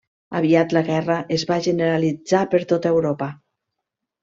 Aviat la guerra es va generalitzar per tota Europa.